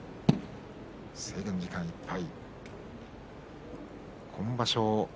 制限時間いっぱい。